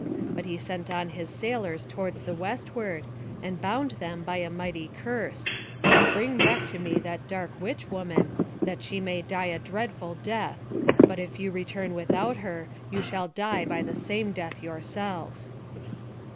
But he sent on his sailors toward the westward, and bound them by a mighty curse: "Bring back to me that dark witch woman, that she may die a dreadful death. But if you return without her, you shall die by the same death yourselves."